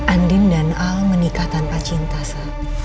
andin dan al menikah tanpa cinta sa